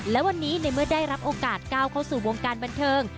และวันนี้ในเมื่อได้รับโอกาสก้าวเข้าสู่วงการบันเทิง